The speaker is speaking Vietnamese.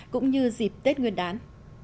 cũng như dịp tết nguyên đán